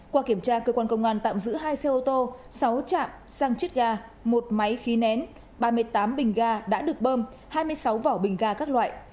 qua kiểm tra cơ quan công an tạm giữ hai xe ô tô sáu chạm xăng một máy khí nén ba mươi tám bình ga đã được bơm hai mươi sáu vỏ bình ga các loại